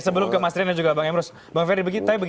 sebelum ke mas riana juga